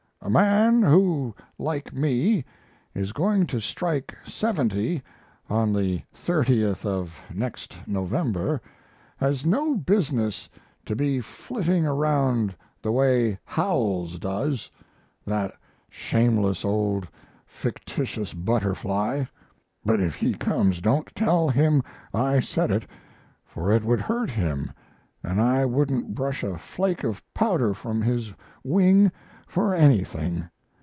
A man who, like me, is going to strike 70 on the 30th of next November has no business to be flitting around the way Howells does that shameless old fictitious butterfly. (But if he comes don't tell him I said it, for it would hurt him & I wouldn't brush a flake of powder from his wing for anything.